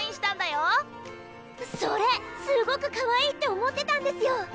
それすごくかわいいって思ってたんですよ。